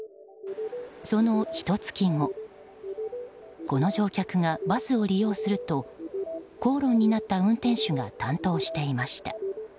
そのひと月後この乗客がバスを利用すると口論になった運転手が担当していました。